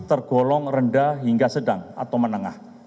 tergolong rendah hingga sedang atau menengah